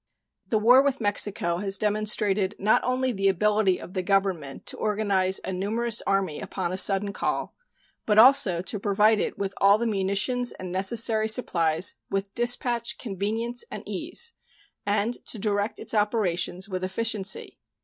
The war with Mexico has demonstrated not only the ability of the Government to organize a numerous army upon a sudden call, but also to provide it with all the munitions and necessary supplies with dispatch, convenience, and ease, and to direct its operations with efficiency.